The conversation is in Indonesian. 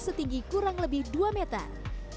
setinggi kurang lebih dua meter